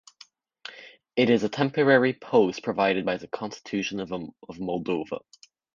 It is a temporary post provided by the Constitution of Moldova.